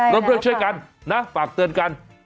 ใช่แล้วเปิดเชื่อกันฝากเตือนกัน